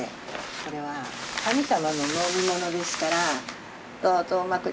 これは神様の飲み物ですからどうぞうまくできますように。